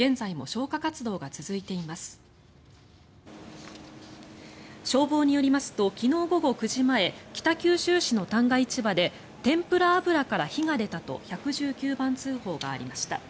消防によりますと昨日午後９時前北九州市の旦過市場で天ぷら油から火が出たと１１９番通報がありました。